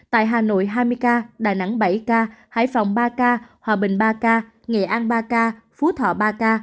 tại hà nội hai mươi ca đà nẵng bảy ca hải phòng ba ca hòa bình ba ca nghệ an ba ca phú thọ ba ca